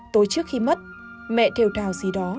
tối trước khi mất mẹ theo trào gì đó